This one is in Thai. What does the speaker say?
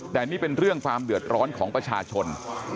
แต่นี่เป็นเรื่องความเดือดร้อนของประชาชน